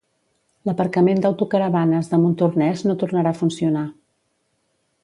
L'aparcament d'autocaravanes de Montornès no tornarà a funcionar.